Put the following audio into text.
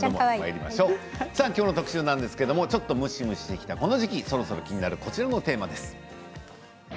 きょうの特集なんですがちょっとむしむししたこの時期そろそろ気になるこのテーマです。